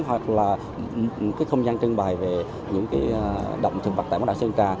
hoặc là không gian trân bài về những động thực vật tại bãi đảo sơn trà